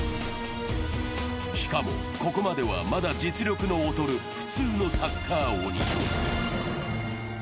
しかも、ここまではまだ実力の劣る普通のサッカー鬼。